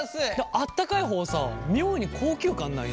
あったかい方さ妙に高級感ない？